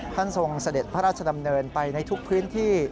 ทรงเสด็จพระราชดำเนินไปในทุกพื้นที่